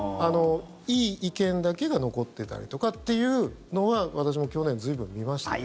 いい意見だけが残ってたりとかっていうのは私も去年、随分見ました。